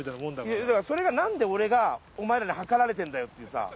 いやそれがなんで俺が前らに図られてんだよっていうさあ。